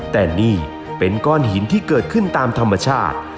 แต่นี่เป็นก้อนหินที่เกิดขึ้นตามธรรมชาติ